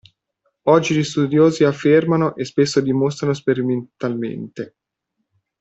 Oggi gli studiosi affermano e spesso dimostrano sperimentalmente.